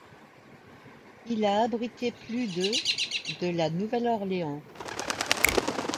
Il a abrité plus de de la Nouvelle-Orléans.